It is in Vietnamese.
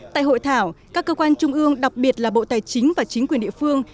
tại hội thảo các cơ quan trung ương đặc biệt là bộ tài chính và chính quyền địa phương